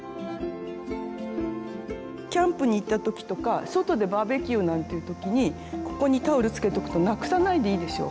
キャンプに行った時とか外でバーベキューなんていう時にここにタオルつけておくとなくさないでいいでしょ。